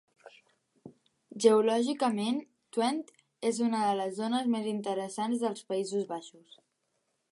Geològicament, Twente és una de les zones més interessants dels Països Baixos.